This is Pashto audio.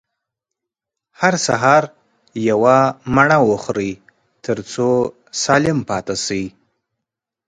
هر سهار يوه مڼه وخورئ، تر څو سالم پاته سئ.